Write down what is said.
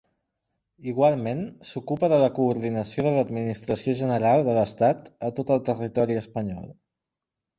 Igualment, s'ocupa de la coordinació de l'Administració General de l'Estat a tot el territori espanyol.